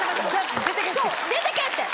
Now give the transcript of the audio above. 出てけって。